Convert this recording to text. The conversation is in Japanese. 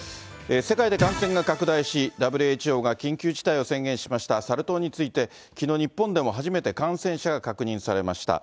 世界で感染が拡大し、ＷＨＯが緊急事態を宣言しましたサル痘について、きのう、日本でも初めて感染者が確認されました。